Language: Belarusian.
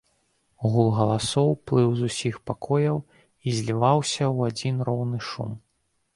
Гул галасоў плыў з усіх пакояў і зліваўся ў адзін роўны шум.